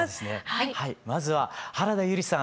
まずは原田悠里さん